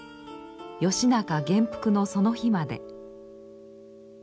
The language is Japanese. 義仲元服のその日まで。